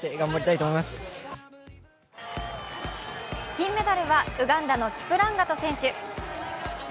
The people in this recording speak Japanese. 金メダルはウガンダのキプランガト選手。